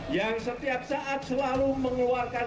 yang setiap saat selalu mengeluarkan